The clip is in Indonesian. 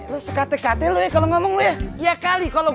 lo teriak teriak gue gulung lo pleng